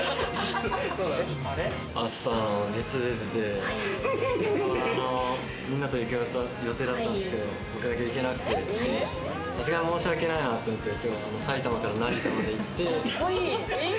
朝、熱出てて、みんなと行く予定だったんですけれども、僕だけ行けなくてさすがに申し訳ないなと思って、埼玉から成田まで行って。